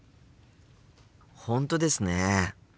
本当ですね。